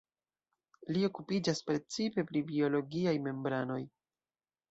Li okupiĝas precipe pri biologiaj membranoj.